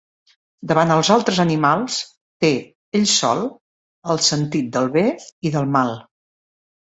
Davant els altres animals, té, ell sol, el sentit del bé i del mal.